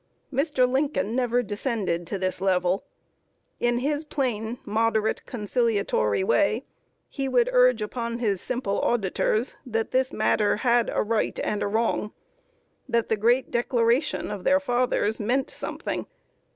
Mr. Lincoln never descended to this level. In his plain, moderate, conciliatory way, he would urge upon his simple auditors that this matter had a Right and a Wrong that the great Declaration of their fathers meant something.